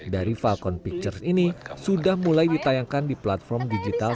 dari falcon pictures ini sudah mulai ditayangkan di platform digital